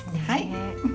はい。